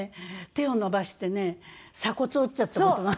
手を伸ばしてね鎖骨折っちゃった事が。